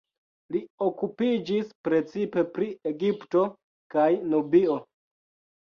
Li okupiĝis precipe pri Egipto kaj Nubio.